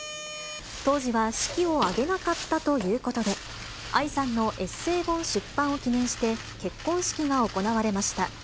当時は式を挙げなかったということで、愛さんのエッセー本出版を記念して、結婚式が行われました。